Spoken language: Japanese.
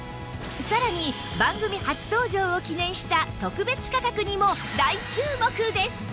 さらに番組初登場を記念した特別価格にも大注目です！